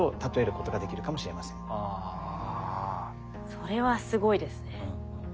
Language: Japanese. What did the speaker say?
それはすごいですね。